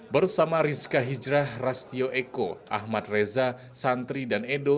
bersama rizka hijrah rastio eko ahmad reza santri dan edo